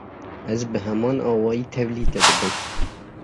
Ez bi heman awayî tevlî te dibim.